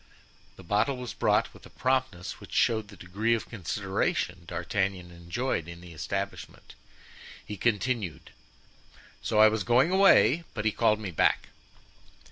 The bottle was brought with a promptness which showed the degree of consideration D'Artagnan enjoyed in the establishment. He continued: "So I was going away, but he called me back.